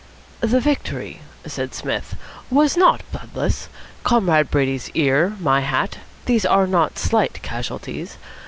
"The victory," said Psmith, "was not bloodless. Comrade Brady's ear, my hat these are not slight casualties.